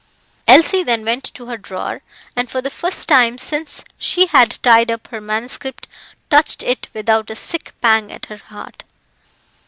Elsie then went to her drawer, and for the first time since she had tied up her manuscript touched it without a sick pang at her heart.